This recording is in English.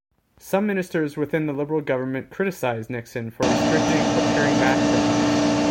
Some ministers within the Liberal government criticized Nixon for restricting or paring back projects.